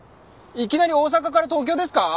いきなり大阪から東京ですか？